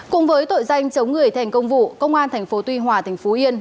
cùng với tội danh chống người thành công vụ công an tp tuy hòa tp yên